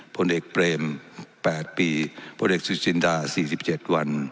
ผลเด็กเบรม๘ปีผลเด็กสุจิณฑา๔๗วัน